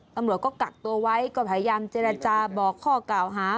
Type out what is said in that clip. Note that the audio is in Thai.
ตำรวจก็กักตัวไว้ก็พยายามเจรจาบอกข้อกล่าวหา